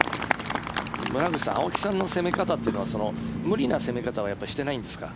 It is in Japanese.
村口さん青木さんの攻め方というのは無理な攻め方はしてないんですか？